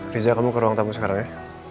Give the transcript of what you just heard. riza kamu ke ruang tamu sekarang ya